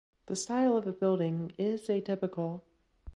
The style of the building is atypical.